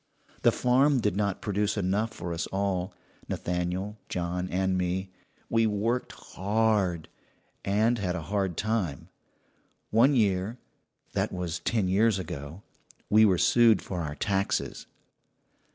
"The farm did not produce enough for us all Nathaniel, John, and me. We worked hard, and had a hard time. One year that was ten years ago we were sued for our taxes.